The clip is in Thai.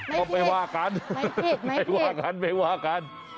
ไม่ผิด